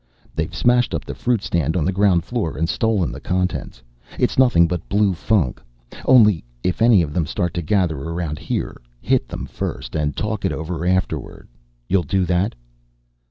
"They've smashed up the fruit stand on the ground floor and stolen the contents. It's nothing but blue funk! Only, if any of them start to gather around here, hit them first and talk it over afterward. You'll do that?"